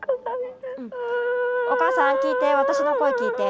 おかあさん聞いて私の声聞いて。